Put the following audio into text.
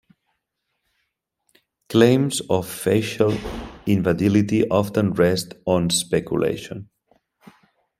Claims of facial invalidity often rest on speculation.